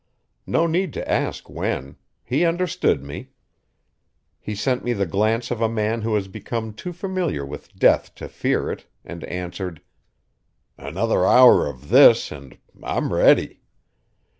No need to ask when; he understood me; he sent me the glance of a man who has become too familiar with death to fear it, and answered: "Another hour of this, and I'm ready."